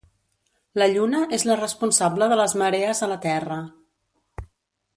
La lluna és la responsable de les marees a la terra.